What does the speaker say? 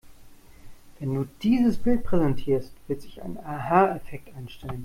Wenn du dieses Bild präsentierst, wird sich ein Aha-Effekt einstellen.